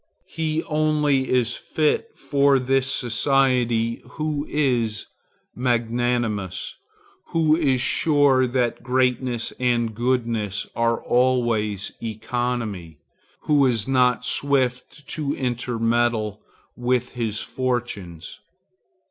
He only is fit for this society who is magnanimous; who is sure that greatness and goodness are always economy; who is not swift to intermeddle with his fortunes.